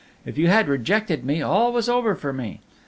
If you had rejected me, all was over for me.